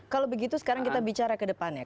kalau begitu sekarang kita bicara ke depannya